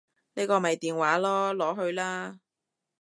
呢個咪電話囉，攞去啦